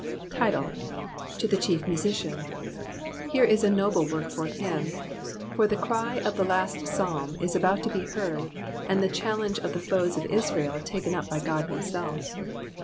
Title.— To the Chief Musician. Here w no6te toor/c for him, for the cry of the kui PsaJm is about to he heard, and the challenge of the foes of Jsrael taken%tp by God himseif.